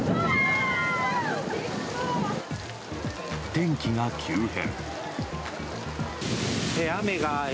天気が急変。